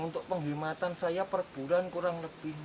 untuk penghematan saya per bulan kurang lebih empat juta